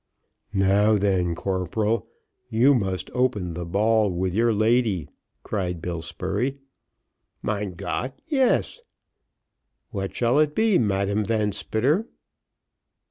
"Now then, corporal, you must open the ball with your lady," cried Bill Spurey. "Mein Gott, yes." "What shall it be, Madam Van Spitter?"